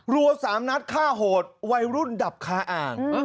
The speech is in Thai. รัว๓นัดฆ่าโหดวัยรุ่นดับคาอ่าง